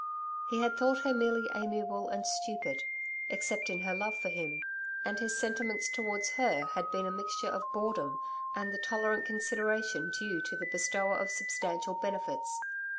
He had thought her merely amiable and stupid except in her love for him and his sentiments towards her had been a mixture of boredom, and the tolerant consideration due to the bestower of substantial benefits.